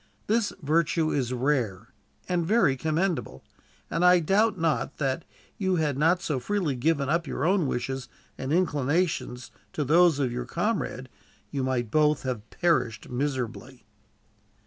This virtue is rare, and very commendable; and I doubt not that, had you not so freely given up your own wishes and inclinations to those of your comrade, you might both have perished miserably."